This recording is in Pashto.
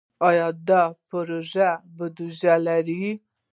آیا دا پروژې بودیجه لري؟